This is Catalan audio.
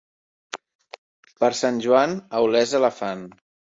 Per Sant Joan, a Olesa la fan.